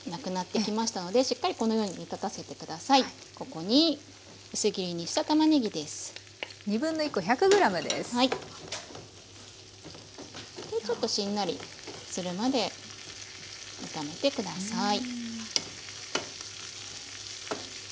ここに薄切りにしたちょっとしんなりするまで炒めて下さい。